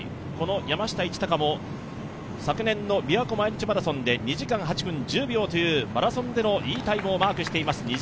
この山下一貴も昨年のびわ湖毎日マラソンで２時間８分１０秒というマラソンでのいいタイムをマークしています。